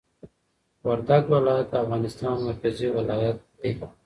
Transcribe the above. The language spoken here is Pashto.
وردګ ولایت د افغانستان مرکزي ولایت دي